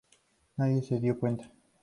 Nadie se dio cuenta.